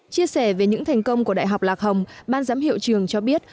chia sẻ về những thành công của đại học lạc hồng ban giám hiệu trường cho biết